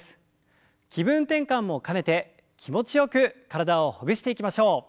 気分転換も兼ねて気持ちよく体をほぐしていきましょう。